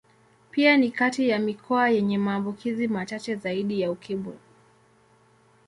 Pia ni kati ya mikoa yenye maambukizi machache zaidi ya Ukimwi.